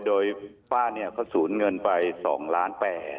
โดยป้าก็สูญเงินไป๒ล้าน๘